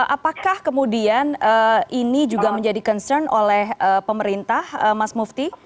apakah kemudian ini juga menjadi concern oleh pemerintah mas mufti